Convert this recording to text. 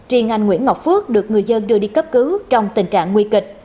riêng anh nguyễn ngọc phước được người dân đưa đi cấp cứu trong tình trạng nguy kịch